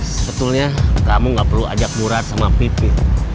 sebetulnya kamu gak perlu ajak murad sama pipit